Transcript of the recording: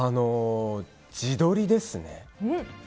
自撮りですね。